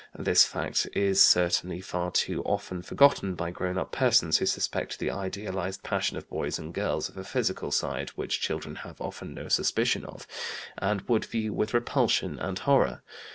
This latter fact is certainly far too often forgotten by grown up persons who suspect the idealized passion of boys and girls of a physical side which children have often no suspicion of, and would view with repulsion and horror.